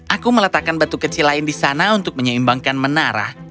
aku meletakkan batu kecil lain di sana untuk menyeimbangkan menara